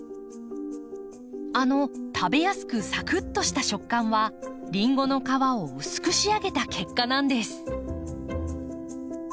あの食べやすくサクッとした食感はリンゴの皮を薄く仕上げた結果なんです。